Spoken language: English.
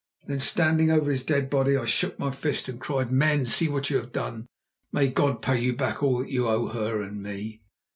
Then, standing over his dead body, I shook my fists and cried: "Men, see what you have done. May God pay you back all you owe her and me!"